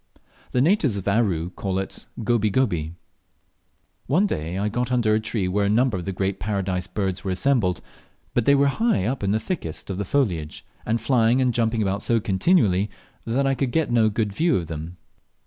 The natives of Aru call it "Goby goby." One day I get under a tree where a number of the Great Paradise birds were assembled, but they were high up in the thickest of the foliage, and flying and jumping about so continually that I could get no good view of them.